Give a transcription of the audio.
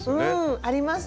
あります。